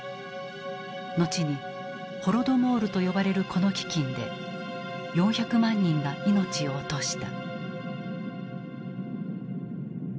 後に「ホロドモール」と呼ばれるこの飢きんで４００万人が命を落とした。